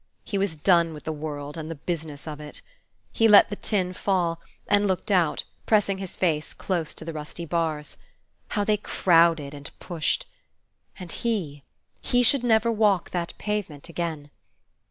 He was done with the world and the business of it. He let the tin fall, and looked out, pressing his face close to the rusty bars. How they crowded and pushed! And he, he should never walk that pavement again!